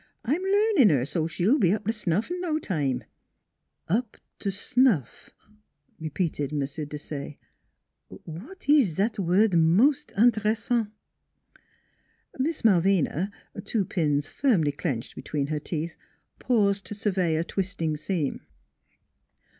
I'm learnin' her, so 't she'll be up t' snuff in no time." "Up t snuff," repeated M. Desage. "What ees zat word mos' interessant? " Miss Malvina, two pins firmly clenched between her teeth, paused to survey a twisting seam.